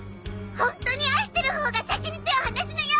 ホントに愛してるほうが先に手を離すのよ！